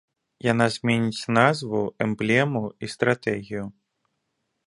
Яна зменіць назву, эмблему і стратэгію.